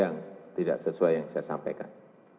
yang tidak sesuai yang saya sampaikan